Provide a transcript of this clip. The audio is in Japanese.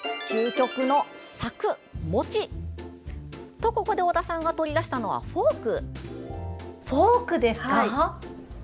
と、ここで尾田さんが取り出したのはフォーク。